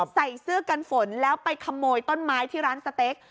ใส่เสื้อกันฝนแล้วไปขโมยต้นไม้ที่ร้านสเต็ก